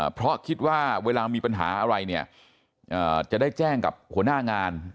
เพราะคิดว่าเวลามีปัญหาอะไรเนี่ยจะได้แจ้งกับหัวหน้างาน